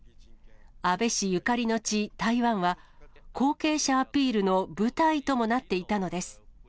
安倍氏ゆかりの地、台湾は、後継者アピールの舞台ともなっていたのです。